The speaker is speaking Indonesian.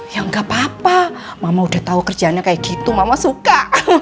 ya nggak apa apa mama udah tahu kerjanya kayak gitu mama suka